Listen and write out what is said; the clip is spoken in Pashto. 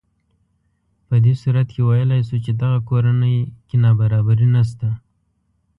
په دې صورت کې ویلی شو چې دغه کورنۍ کې نابرابري نهشته